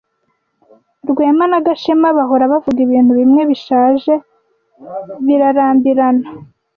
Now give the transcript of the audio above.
Rwema na Gashema bahora bavuga ibintu bimwe bishaje. Birarambirana.